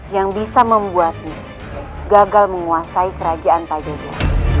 yang bisa membuatmu gagal menguasai kerajaan pajajara